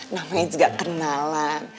namanya juga kenalan